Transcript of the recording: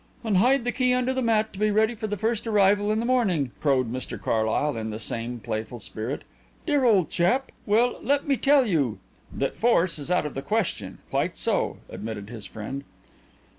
"And hide the key under the mat to be ready for the first arrival in the morning," crowed Mr Carlyle, in the same playful spirit. "Dear old chap! Well, let me tell you " "That force is out of the question. Quite so," admitted his friend.